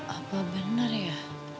apa benar ya